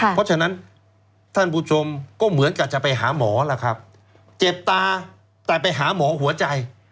เพราะฉะนั้นท่านผู้ชมก็เหมือนกับจะไปหาหมอล่ะครับเจ็บตาแต่ไปหาหมอหัวใจ